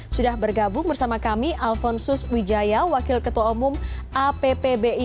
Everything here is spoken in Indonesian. sudah bergabung bersama kami alfon sus wijaya wakil ketua umum appbi